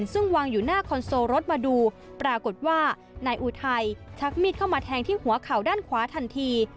ซึ่งวางอยู่หน้าคอนโซลรถมาดูปรากฏว่านายอุทัยชักมีดเข้ามาแทงที่หัวเข่าด้านขวาทันที